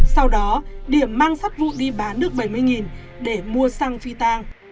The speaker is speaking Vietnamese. sau đó điểm mang sắt vụ đi bán nước bảy mươi để mua xăng phi tang